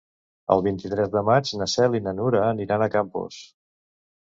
El vint-i-tres de maig na Cel i na Nura aniran a Campos.